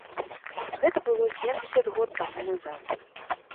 Гэта было семдзесят год таму назад.